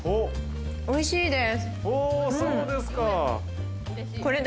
おいしいです。